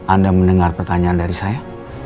anda mendengar pertanyaan dari saya